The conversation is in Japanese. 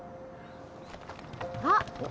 あっ！